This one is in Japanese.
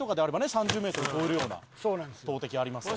３０メートルを超えるような投てきありますから。